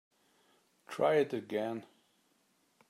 Try it again.